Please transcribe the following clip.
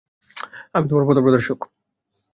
আমি তোমার পথ প্রদর্শক।